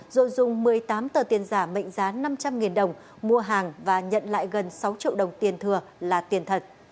rồi dùng một mươi tám tờ tiền giả mệnh giá năm trăm linh đồng mua hàng và nhận lại gần sáu triệu đồng tiền thừa là tiền thật